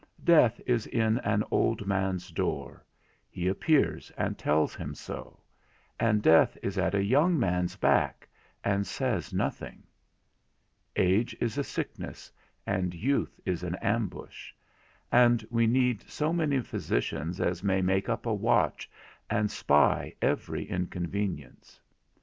Death is in an old man's door, he appears and tells him so, and death is at a young man's back, and says nothing; age is a sickness, and youth is an ambush; and we need so many physicians as may make up a watch, and spy every inconvenience.